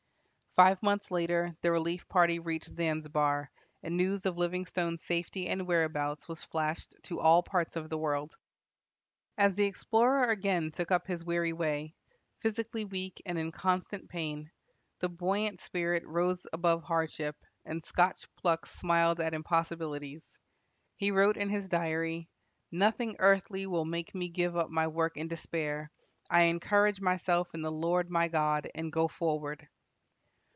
Five months later the relief party reached Zanzibar, and news of Livingstone's safety and whereabouts was flashed to all parts of the world. As the explorer again took up his weary way, physically weak and in constant pain, the buoyant spirit rose above hardship, and Scotch pluck smiled at impossibilities. He wrote in his diary: "Nothing earthly will make me give up my work in despair. I encourage myself in the Lord my God, and go forward."